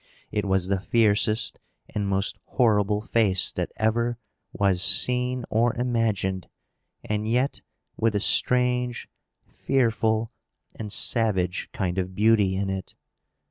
It was the fiercest and most horrible face that ever was seen or imagined, and yet with a strange, fearful, and savage kind of beauty in it.